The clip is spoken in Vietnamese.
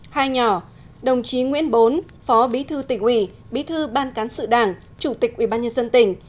hai nhỏ đồng chí nguyễn bốn phó bí thư tỉnh uỷ bí thư ban cán sự đảng chủ tịch ủy ban nhân dân tỉnh